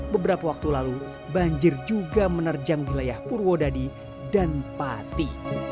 beberapa waktu lalu banjir juga menerjang wilayah purwodadi dan pati